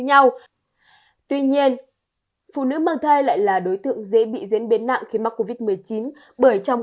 nhau tuy nhiên phụ nữ mang thai lại là đối tượng dễ bị diễn biến nặng khi mắc covid một mươi chín bởi trong